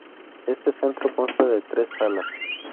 Este centro consta de tres salas.